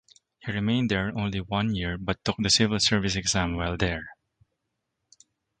He remained there only one year but took the civil service exam while there.